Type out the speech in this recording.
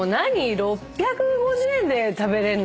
６５０円で食べれんの？